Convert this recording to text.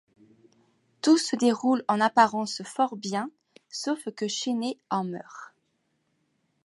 Tout se déroule en apparence fort bien, sauf que Chesney en meurt.